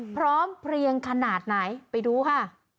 เพลียงขนาดไหนไปดูค่ะ